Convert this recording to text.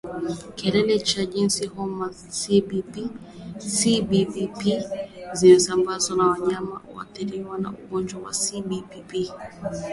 Kielelezo cha jinsi homa ya CBPP inavyosambazwa mnyama aliyeathirika na ugonjwa wa CBPP